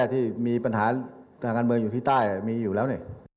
ที่มีปัญหาทางการเมืองอยู่ที่ใต้มีอยู่แล้ว